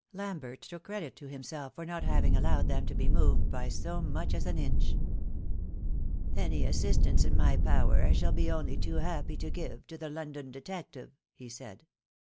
Lambert took credit to himself for not having allowed them to be moved by so much as an inch. "Any assistance in my power I shall be only too happy to give to the London detective," he said.